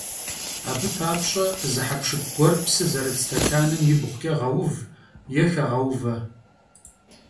Abı papş'e zı hepşşıp guer psı zerıt stekanım yibğuç'e ğeuv yê xeğeuve.